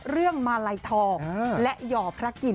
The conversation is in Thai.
เรื่องมาลัยทองและหย่อพระกิน